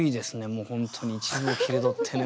もう本当に一部を切り取ってね